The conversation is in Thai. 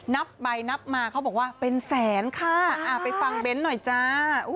นับไปนับมาเขาบอกว่าเป็นแสนค่ะไปฟังเบ้นหน่อยจ้า